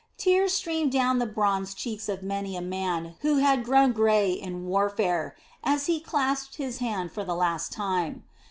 Tears streamed down the bronzed cheeks of many a man who had grown grey in warfare, as he clasped his hand for the last time.